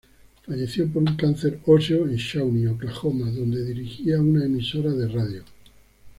Falleció por un cáncer óseo en Shawnee, Oklahoma, donde dirigía una emisora de radio.